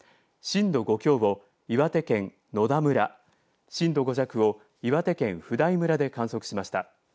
震度５強を岩手県野田村震度５弱を岩手県普代村で観測しました。